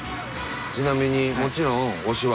ちなみにもちろん推しは？